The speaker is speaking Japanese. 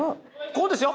こうですよ！